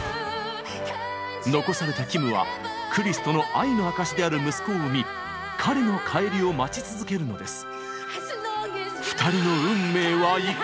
残されたキムはクリスとの愛の証しである息子を産み彼の帰りを待ち続けるのです。